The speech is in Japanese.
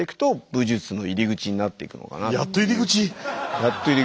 やっと入り口！？